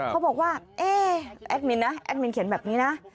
เขาบอกว่าเอ๊ะแอดมินนะแอดมินเขียนแบบนี้นะ